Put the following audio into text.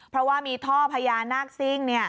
เพราะว่ามีท่อพญานาคซิ่ง